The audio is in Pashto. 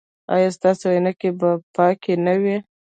ایا ستاسو عینکې به پاکې نه وي؟